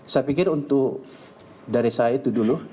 saya pikir untuk dari saya itu dulu